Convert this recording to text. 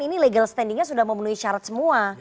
ini legal standingnya sudah memenuhi syarat semua